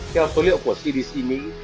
theo số liệu của cdc mỹ